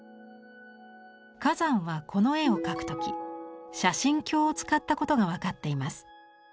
崋山はこの絵を描く時写真鏡を使ったことが分かっています。